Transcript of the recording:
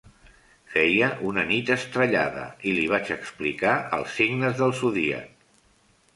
Feia una nit estrellada, i li vaig explicar els signes del zodíac.